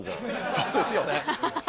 そうですよね。